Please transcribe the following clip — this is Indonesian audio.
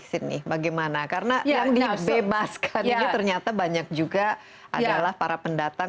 sydney bagaimana karena yang dibebaskan ini ternyata banyak juga adalah para pendatang